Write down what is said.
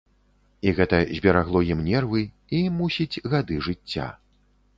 І гэта зберагло ім нервы і, мусіць, гады жыцця.